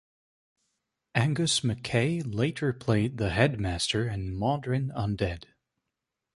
Angus MacKay later played the Headmaster in "Mawdryn Undead".